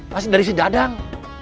pasti dari si dadang